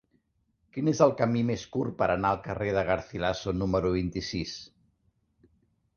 Quin és el camí més curt per anar al carrer de Garcilaso número vint-i-sis?